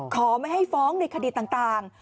ไม่ให้ฟ้องในคดีต่าง